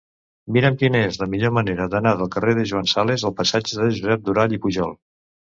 Mira'm quina és la millor manera d'anar del carrer de Joan Sales al passatge de Josep Durall i Pujol.